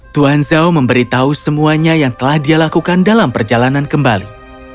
tuan zhao memberitahu semuanya yang telah dia lakukan dalam perjalanan kembali